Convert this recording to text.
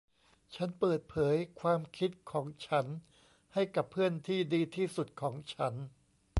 ฉันเปิดเผยความคิดของฉันให้กับเพื่อนที่ดีที่สุดของฉัน